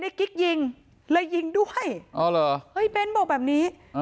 ไอ้กิ๊กยิงเลยยิงด้วยอ๋อหรอเฮ้ยเบนต์บอกแบบนี้อ๋อ